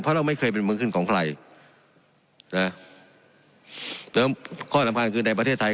เพราะเราไม่เคยเป็นเมืองขึ้นของใครนะแล้วข้อสำคัญคือในประเทศไทย